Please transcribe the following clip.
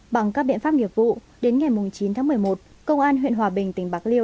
bằng các biện pháp nghiệp vụ đến ngày chín tháng một mươi một công an huyện hòa bình tỉnh bạc liêu